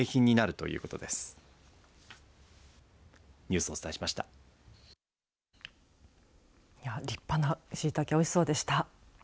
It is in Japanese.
いや立派なしいたけおいしそうでした。